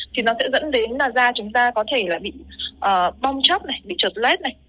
thì nó sẽ dẫn đến là da chúng ta có thể bị bong chóc này bị trợt lét này